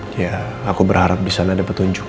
ya aku berharap disana ada petunjuk